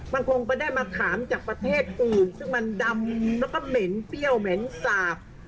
มันคงไปได้มะขามจากประเทศอื่นซึ่งมันดำแล้วก็เหม็นเปรี้ยวเหม็นสาบ